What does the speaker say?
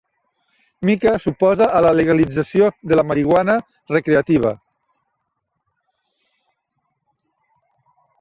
Mica s'oposa a la legalització de la marihuana recreativa.